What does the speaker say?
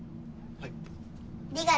・はい。